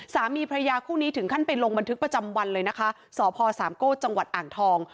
สามีพระยาคู่นี้ถึงขั้นไปลงบันทึกประจำวันเลยนะคะสพสามโก้จังหวัดอ่างทอง